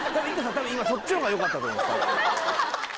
たぶん今そっちの方がよかったと思います